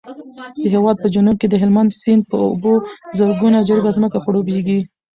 د هېواد په جنوب کې د هلمند سیند په اوبو زرګونه جریبه ځمکه خړوبېږي.